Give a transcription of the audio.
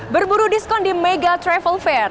berburu diskon di mega travel fair